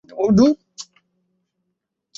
Order করে বানিয়েছি।